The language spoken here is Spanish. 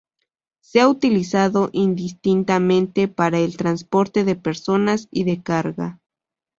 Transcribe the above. Se ha utilizado indistintamente para el transporte de personas y de carga.